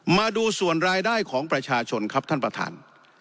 มาดูส่วนรายได้ของประชาชนครับท่านประธาน